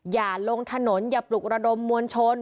อย่าลงถนนอย่าปลุกระดมมวลชน